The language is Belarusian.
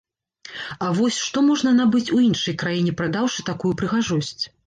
А вось, што можна набыць у іншай краіне, прадаўшы такую прыгажосць.